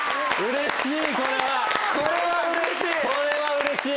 これはうれしい。